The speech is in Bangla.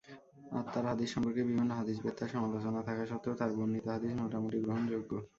আর তাঁর হাদীস সম্পর্কে বিভিন্ন হাদীসবেত্তার সমালোচনা থাকা সত্ত্বেও তাঁর বর্ণিত হাদীস মোটামুটি গ্রহণযোগ্য।